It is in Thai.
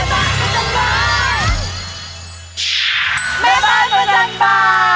อ๋อมชะเกาใจพูดสวัสดิ์ค่ะ